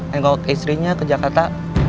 tengok istrinya ke jakarta